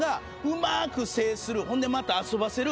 ほんでまた遊ばせる。